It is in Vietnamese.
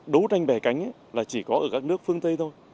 đấu tranh bè cánh là chỉ có ở các nước phương tây thôi